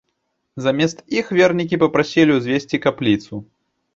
Замест іх вернікі папрасілі ўзвесці капліцу.